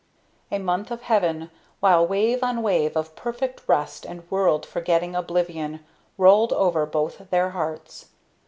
A month of heaven; while wave on wave of perfect rest and world forgetting oblivion rolled over both their hearts.